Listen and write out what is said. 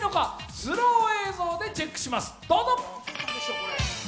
スロー映像でチェックします。